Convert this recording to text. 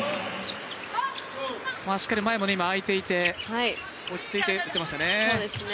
しっかり前も空いていて落ち着いて打てましたね。